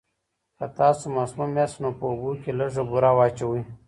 که تاسو مسموم یاست، نو په اوبو کې لږه بوره واچوئ.